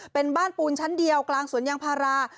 เป็นบ้านปูนชั้นเดียวกลางสวนยางพารา